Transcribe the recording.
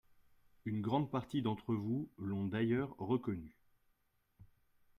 Une grande partie d’entre vous l’ont d’ailleurs reconnu.